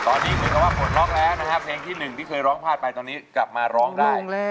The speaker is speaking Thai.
ตอนนี้เพิ่งว่าผลลองแล้วเรื่องที่หลลึงกลับมาร้องได้